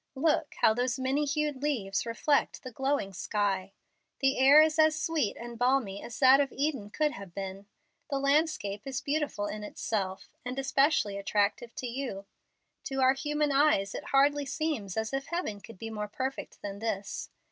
Look, how those many hued leaves reflect the glowing sky. The air is as sweet and balmy as that of Eden could have been. The landscape is beautiful in itself, and especially attractive to you. To our human eyes it hardly seems as if heaven could be more perfect than this.